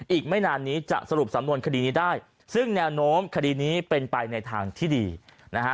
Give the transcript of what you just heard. อีกไม่นานนี้จะสรุปสำนวนคดีนี้ได้ซึ่งแนวโน้มคดีนี้เป็นไปในทางที่ดีนะฮะ